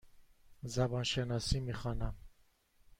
زبان شناسی می خوانم.